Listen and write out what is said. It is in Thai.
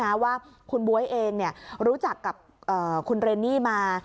ว่าคุณบ๊วยเองรู้จักกับคุณเรนนี่มา